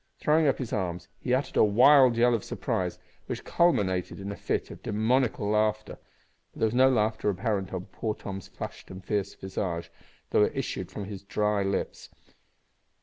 Throwing up his arms, he uttered a wild yell of surprise, which culminated in a fit of demoniacal laughter. But there was no laughter apparent on poor Tom's flushed and fierce visage, though it issued from his dry lips.